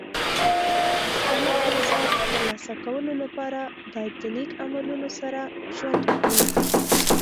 د الله رضا ترلاسه کولو لپاره باید د نېک عملونو سره ژوند وکړي.